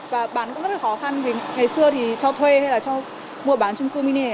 và bán cũng rất là khó khăn vì ngày xưa thì cho thuê hay là cho mua bán trung cư mini này